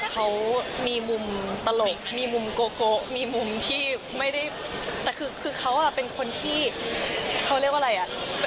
เขามีมุมตลกมีมุมโกโกะมีมุมที่ไม่ได้แต่คือเขาเป็นคนที่เขาเรียกว่าอะไรอ่ะ